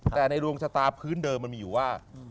แต่ในดวงชะตาพื้นเดิมมันมีอยู่ว่า